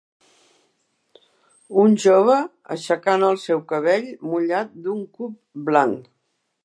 una jove aixecant el seu cabell mullat d'un cub blanc